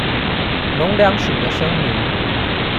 農糧署的聲明